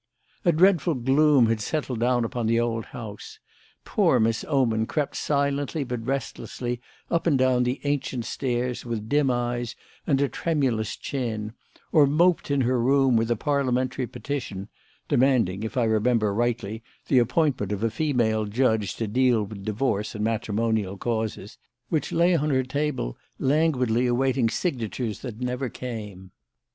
A dreadful gloom had settled down upon the old house. Poor Miss Oman crept silently but restlessly up and down the ancient stairs with dim eyes and a tremulous chin, or moped in her room with a parliamentary petition (demanding, if I remember rightly, the appointment of a female judge to deal with divorce and matrimonial causes) which lay on her table languidly awaiting signatures that never came.